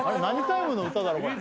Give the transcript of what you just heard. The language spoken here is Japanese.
何タイムの歌だろ